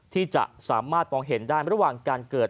ที่จะสามารถประมาณนะคะดังระหว่างกอยเกิด